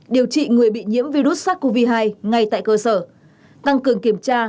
điều trị người bị nhiễm virus sars cov hai ngay tại cơ sở tăng cường kiểm tra